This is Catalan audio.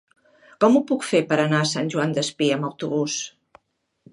Com ho puc fer per anar a Sant Joan Despí amb autobús?